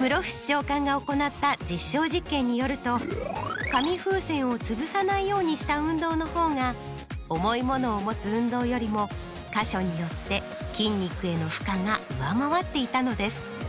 室伏長官が行った実証実験によると紙風船をつぶさないようにした運動の方が重いものを持つ運動よりも箇所によって筋肉への負荷が上回っていたのです。